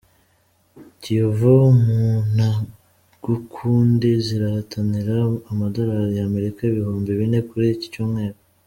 Kiyovu na gukundi zirahatanira amadolari y’Amerika ibihumbi bine kuri iki cyumweru